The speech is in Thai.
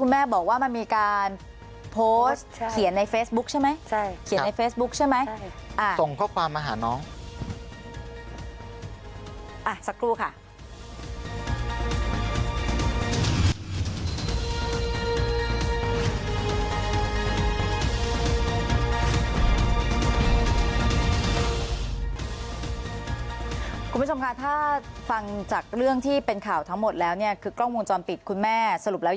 ไม่เคยบอกอะไรทั้งนั้นเลย